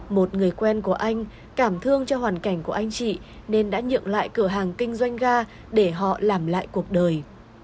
một người quen của anh cảm thương cho hoàn cảnh của anh chị nên đã nhượng lại cửa hàng kinh doanh ga để họ làm lại cuộc đời